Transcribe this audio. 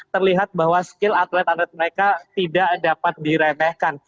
terlihat bahwa skill atlet atlet mereka tidak dapat diremehkan